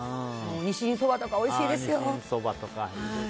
ニシンそばとかおいしいですよ。